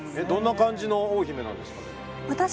どんな感じの大姫なんですかね？